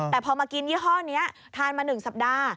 แต่พอมากินยี่ห้อนี้ทานมา๑สัปดาห์